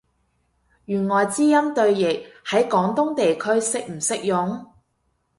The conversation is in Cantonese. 弦外之音對譯，喺廣東地區適唔適用？